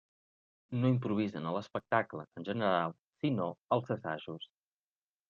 No improvisen a l'espectacle, en general, sinó als assajos.